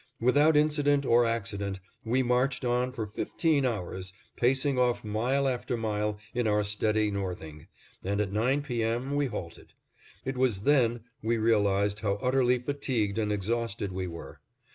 Without incident or accident, we marched on for fifteen hours, pacing off mile after mile in our steady northing, and at nine P. M. we halted. It was then we realized how utterly fatigued and exhausted we were.